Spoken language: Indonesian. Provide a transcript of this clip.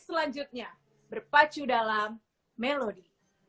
selanjutnya berpacu dalam melodi